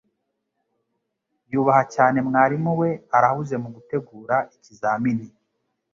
Yubaha cyane mwarimu we. Arahuze mugutegura ikizamini.